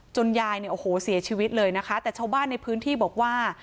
ยายเนี่ยโอ้โหเสียชีวิตเลยนะคะแต่ชาวบ้านในพื้นที่บอกว่า